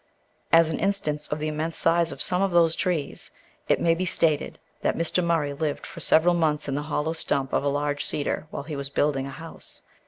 As an instance of the immense size of some of those trees, it may be stated that Mr. Murray lived for several months in the hollow stump of a large cedar while he was building a house.